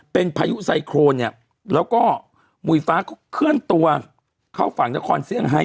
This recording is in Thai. เป็นพายุไซโครนเนี่ยแล้วก็หุยฟ้าก็เคลื่อนตัวเข้าฝั่งนครเซี่ยงไฮท